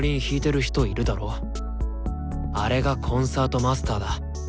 あれがコンサートマスターだ。